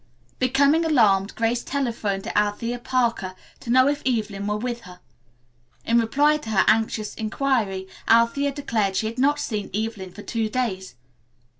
Becoming alarmed Grace telephoned to Althea Parker to know if Evelyn were with her. In reply to her anxious inquiry Althea declared she had not seen Evelyn for two days.